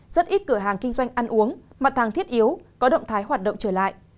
rất ít cửa hàng kinh doanh ăn uống mặt hàng thiết yếu có động thái hoạt động trở lại